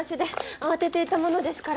慌てていたものですから。